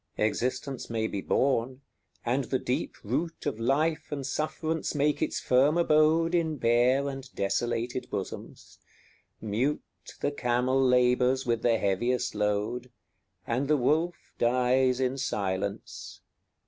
XXI. Existence may be borne, and the deep root Of life and sufferance make its firm abode In bare and desolate bosoms: mute The camel labours with the heaviest load, And the wolf dies in silence.